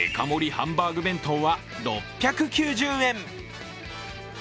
ハンバーグ弁当は６９０円。